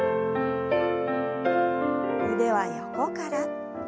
腕は横から。